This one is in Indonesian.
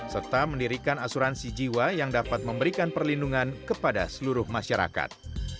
serta mendirikan asuransi jiwa yang dapat memberikan perlindungan kepada seluruh masyarakat